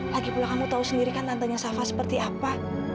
lagipula kamu tahu sendiri kan tantanya saffa seperti anaknya